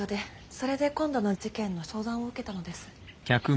それで今度の事件の相談を受けたのです。